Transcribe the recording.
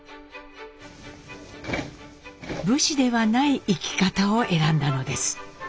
武士ではない生き方を選んだのです。